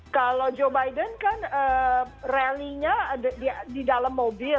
kalau joe biden kan rally nya di dalam mobil